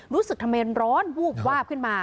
รู้สึกทำไมร้อนวูบวาบขึ้นมา